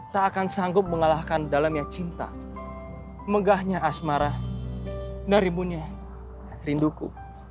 tak akan sanggup mengalahkan dalemnya cinta megahnya asmara dan rimbunnya rinduku